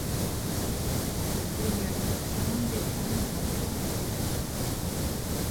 Pour ce qui est de la direction, Beecham est un pur autodidacte.